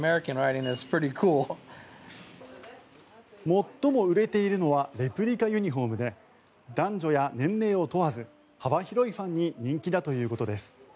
最も売れているのはレプリカユニホームで男女や年齢を問わず幅広いファンに人気だということです。